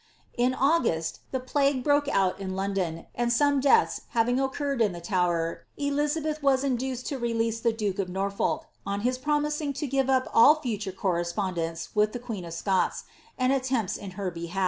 In August, ihfi plague broke out in 1 and some deaths having occurred in the Tower. Eliza beth wa d to release the duke of Norfolk, on his promising to give up ; correapoiidenre with the queen of Scots, and attempn in her bEn.